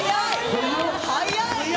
速い。